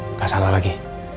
nggak salah lagi